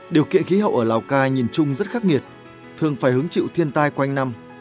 điều kiện khí hậu ở lào cai nhìn chung rất khắc nghiệt thường phải hứng chịu thiên tai quanh năm